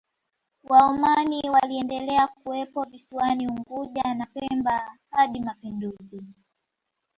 Waomani waliendelea kuwepo visiwani Unguja na Pemba hadi mapinduzi